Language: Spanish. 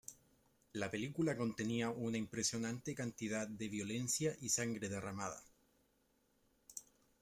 La película contenía una impresionante cantidad de violencia y sangre derramada.